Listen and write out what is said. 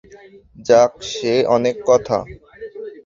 যাক, সে অনেক কথা।